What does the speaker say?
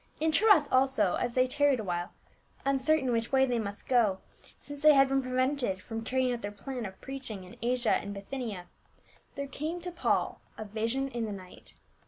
In Troas also as they tarried awhile — uncertain which way they must go, since they had been pre vented from carrying out their plan of preaching in Asia and Bithynia — there came to Paul a vision in the night.